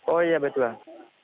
oh iya betul bang